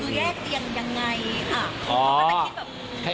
คือแยกเตียงยังไงอ่ะ